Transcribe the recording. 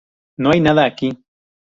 No hay nada aquí